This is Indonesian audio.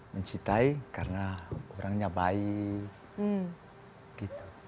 mencintai karena orangnya baik gitu